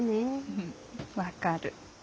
うん分かる。